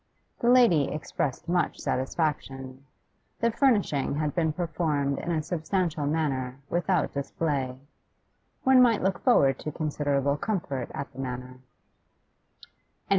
The lady expressed much satisfaction. The furnishing had been performed in a substantial manner, without display; one might look forward to considerable comfort at the Manor.